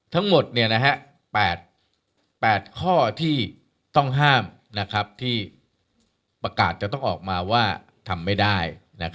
ทั้งหมด๘ข้อที่ต้องห้ามที่ประกาศจะต้องออกมาว่าทำไม่ได้